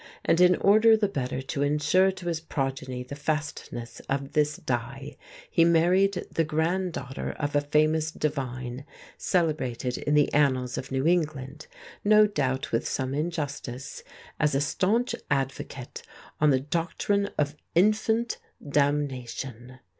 And in order the better to ensure to his progeny the fastness of this dye, he married the granddaughter of a famous divine, celebrated in the annals of New England, no doubt with some injustice, as a staunch advocate on the doctrine of infant damnation.